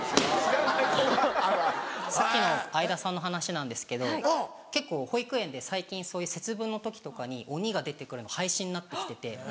さっきの相田さんの話なんですけど結構保育園で最近そういう節分の時とかに鬼が出て来るの廃止になって来てて。